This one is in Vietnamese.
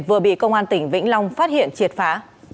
vừa bị công an tỉnh vĩnh long phát hiện triệt phá